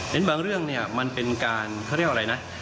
แล้วบางเรื่องมันเป็นการเขาเรียกว่าอะไรนะ